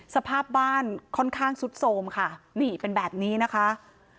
สภาพบ้านค่อนข้างซุดโทรมค่ะนี่เป็นแบบนี้นะคะ